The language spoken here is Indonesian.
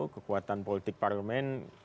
kekuatan politik parlement